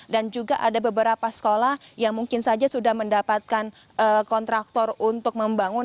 dan juga ada beberapa sekolah yang mungkin saja sudah mendapatkan kontraktor untuk membangun